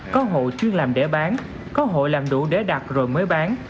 có hộ chuyên làm để bán có hộ làm đủ để đặt rồi mới bán